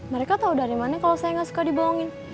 mereka tahu dari mana kalau saya nggak suka dibohongin